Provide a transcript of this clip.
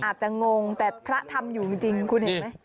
อาจจะงงแต่พระทำอยู่จริงคุณเห็นไหม